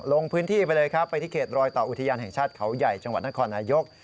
ลงพื้นที่ไปเลยครับไปที่เขตรอยต่ออุทยานแห่งชาติเขาใหญ่จังหวัดนครนายก